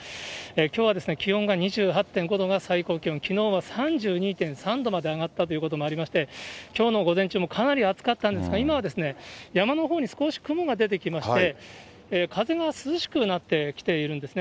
きょうは気温が２８．５度が最高気温、きのうは３２．３度まで上がったということもありまして、きょうの午前中もかなり暑かったんですが、今は山のほうに少し雲が出てきまして、風が涼しくなってきているんですね。